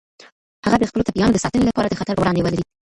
هغه د خپلو ټپيانو د ساتنې لپاره د خطر په وړاندې ودرید.